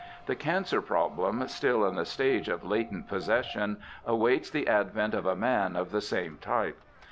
The cancer problem, still in the stage of latent possession, awaits the advent of a man of the same type.